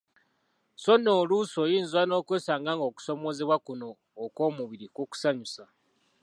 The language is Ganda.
So nno oluusi oyinza nokwesanga nga okusoomoozebwa kuno okw'omubiri kukusanyusa.